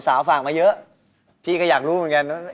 ฝากมาเยอะพี่ก็อยากรู้เหมือนกัน